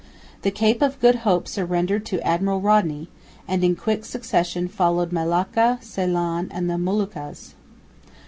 The Cape of Good Hope surrendered to Admiral Rodney; and in quick succession followed Malacca, Ceylon and the Moluccas.